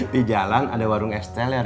di jalan ada warung es teler